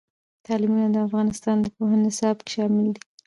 تالابونه د افغانستان د پوهنې نصاب کې شامل دي.